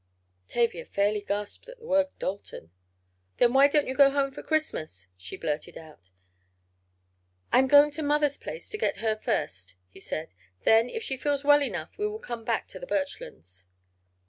Tavia fairly gasped at the word "Dalton." "Then why don't you go home for Christmas?" she blurted out. "I am going to mother's place to get her first," he said. "Then, if she feels well enough, we will come back to the Birchlands."